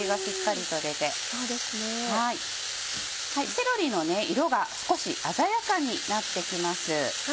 セロリの色が少し鮮やかになってきます。